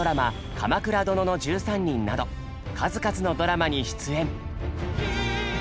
「鎌倉殿の１３人」など数々のドラマに出演。